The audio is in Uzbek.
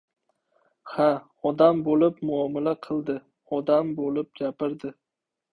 Ha, odam bo‘lib muomala qildi, odam bo‘lib gapirdi.